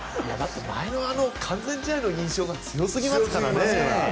前の完全試合の印象が強すぎますからね。